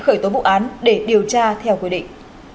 khởi tố vụ án để điều tra theo quy định